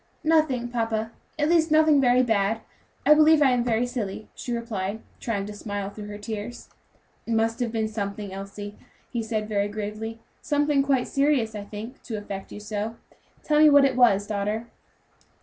"Nothing, papa; at least, nothing very bad; I believe I am very silly," she replied, trying to smile through her tears. "It must have been something, Elsie," he said, very gravely; "something quite serious, I think, to affect you so; tell me what it was, daughter."